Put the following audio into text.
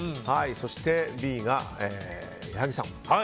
そして、Ｂが矢作さん。